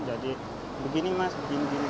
jadi begini mas begini begini